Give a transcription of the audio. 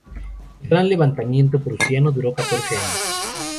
El Gran Levantamiento Prusiano duró catorce años.